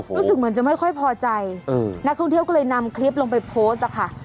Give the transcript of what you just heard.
รู้สึกเหมือนจะไม่ค่อยพอใจนักท่องเที่ยวก็เลยนำคลิปลงไปโพสต์อะค่ะ